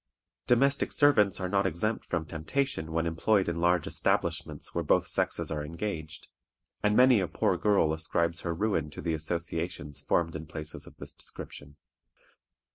Domestic servants are not exempt from temptation when employed in large establishments where both sexes are engaged, and many a poor girl ascribes her ruin to the associations formed in places of this description.